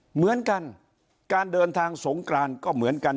เหมือนกันการเดินทางสงกรานก็เหมือนกัน